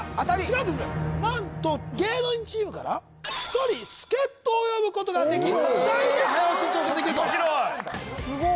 何と芸能人チームから１人助っ人を呼ぶことができ２人で早押しに挑戦できると面白いすごっ